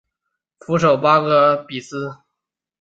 首府戈巴比斯。